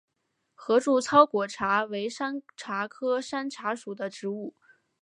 合柱糙果茶为山茶科山茶属的植物。